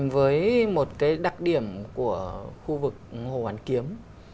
với một cái đặc điểm của khu vực hồ hoàn kiếm